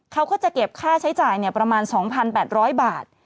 เขาก็จะเก็บค่าใช้จ่ายประมาณ๒๘๐๐บาท